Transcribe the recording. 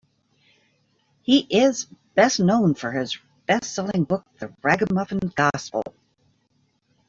He is best known for his bestselling book "The Ragamuffin Gospel".